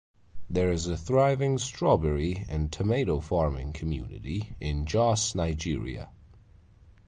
There is a thriving strawberry and tomato farming community in Jos, Nigeria.